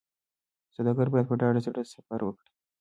سوداګر باید په ډاډه زړه سفر وکړي.